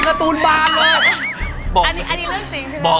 ชอบชอบ